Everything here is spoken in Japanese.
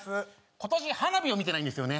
今年花火を見てないんですよね